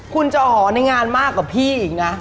คุณจะหอในงานมากกว่าพี่อีกนะ